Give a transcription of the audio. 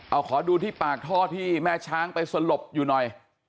เอาขอดูที่ปากท่อที่แม่ช้างไปสลบอยู่หน่อย